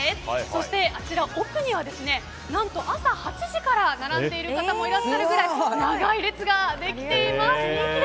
そして奥には朝８時から並んでいる方もいるぐらい長い列ができています。